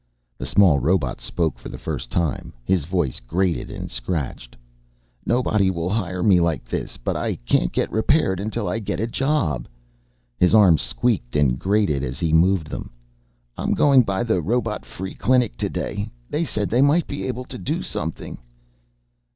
The small robot spoke for the first time, his voice grated and scratched. "Nobody will hire me like this, but I can't get repaired until I get a job." His arms squeaked and grated as he moved them. "I'm going by the Robot Free Clinic again today, they said they might be able to do something."